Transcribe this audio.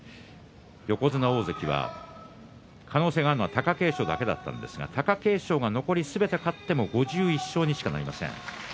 横綱、大関で可能性があるのは貴景勝だけだったんですが貴景勝が残りすべて勝っても５１勝にしかなりません。